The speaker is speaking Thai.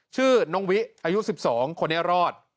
ชื่อน้องวิอายุ๑๒คนนี้รอด